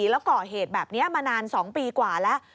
แล้วก่อเหตุแบบนี้มานาน๒ปีกว่าแล้ว